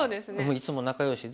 いつも仲よしで。